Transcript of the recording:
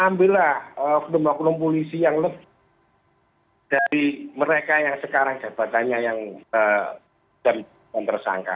ambillah oknum oknum polisi yang lebih dari mereka yang sekarang jabatannya yang tersangka